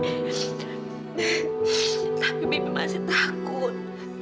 tapi bibi masih takut